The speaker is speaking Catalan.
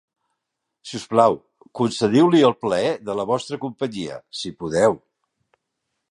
Si us plau, concediu-li el plaer de la vostra companyia, si podeu.